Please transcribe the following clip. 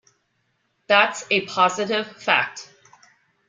That's a positive fact.